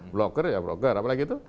blogger ya broker apalagi itu